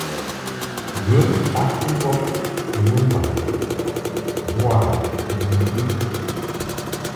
Ghə ntaʼ ŋgɔb I mɨmbaŋ bo I mɨŋgwi.